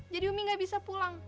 jadi ummi gabisa pulang